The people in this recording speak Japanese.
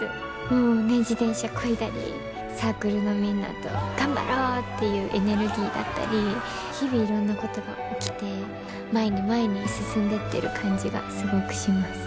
もうね自転車こいだりサークルのみんなと頑張ろうっていうエネルギーだったり日々いろんなことが起きて前に前に進んでってる感じがすごくします。